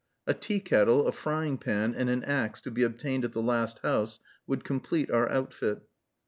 A tea kettle, a frying pan, and an axe, to be obtained at the last house, would complete our outfit.